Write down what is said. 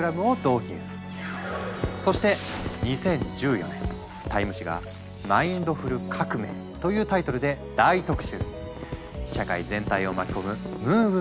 そして２０１４年「ＴＩＭＥ」誌が「マインドフル革命」というタイトルで大特集！